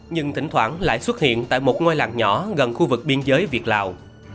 nhưng thỉnh thoảng lại xuất hiện tại một ngôi làng nhỏ gần khu vực biên giới việt lào